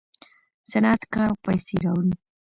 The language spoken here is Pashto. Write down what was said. صنعت کار او پیسې راوړي.